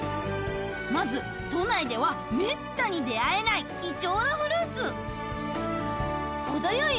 まず都内ではめったに出会えない貴重なフルーツ程よい